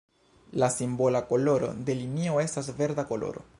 La simbola koloro de linio estas verda koloro.